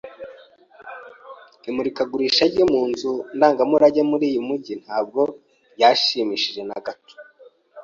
Imurikagurisha rye mu nzu ndangamurage yumujyi ntabwo ryanshimishije na gato.